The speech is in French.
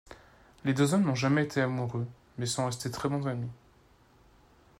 Les deux hommes n'ont jamais été amoureux, mais sont restés très bons amis.